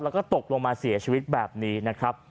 แล้วก็ตกลงมาเสียชีวิตแบบนี้นะครับ